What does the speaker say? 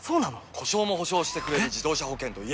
故障も補償してくれる自動車保険といえば？